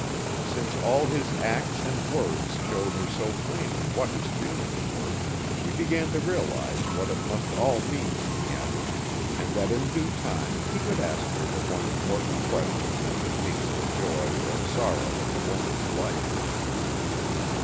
Since all his acts and words showed her so plainly what his feelings were, she began to realize what it must all mean in the end, and that in due time he would ask her the one important question that contains the joy or sorrow of a woman's life.